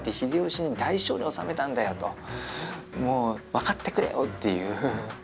わかってくれよっていう。